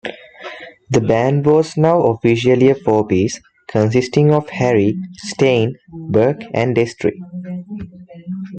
The band was now officially a four-piece, consisting of Harry, Stein, Burke and Destri.